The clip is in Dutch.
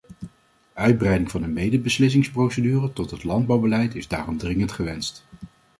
Uitbreiding van de medebeslissingsprocedure tot het landbouwbeleid is daarom dringend gewenst.